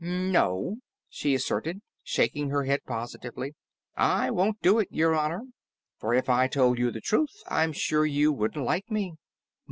"No," she asserted, shaking her head positively, "I won't do it, Your Honor. For if I told you the truth, I'm sure you wouldn't like me.